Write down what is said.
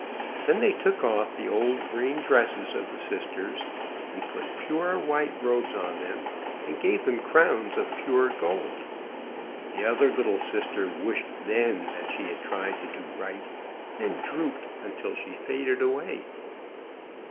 Then they took off the old green dresses of the sisters, and put pure white robes on them and gave them crowns of pure gold. The other little sister wished then that she had tried to do right, and drooped until she faded away.